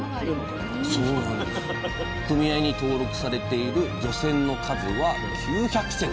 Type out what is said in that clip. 組合に登録されている漁船の数は９００隻。